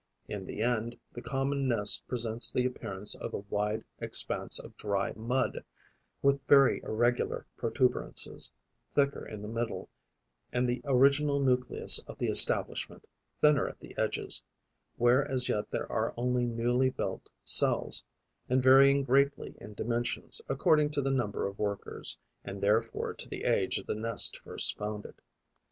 In the end, the common nest presents the appearance of a wide expanse of dry mud, with very irregular protuberances, thicker in the middle, the original nucleus of the establishment, thinner at the edges, where as yet there are only newly built cells, and varying greatly in dimensions according to the number of workers and therefore to the age of the nest first founded.